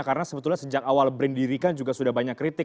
karena sebetulnya sejak awal brin dirikan juga sudah banyak kritik